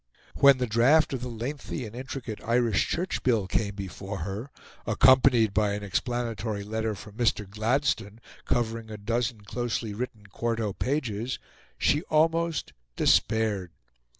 When the draft of the lengthy and intricate Irish Church Bill came before her, accompanied by an explanatory letter from Mr. Gladstone covering a dozen closely written quarto pages, she almost despaired.